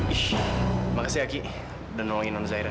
ih makasih ya ki udah nolain sama zahira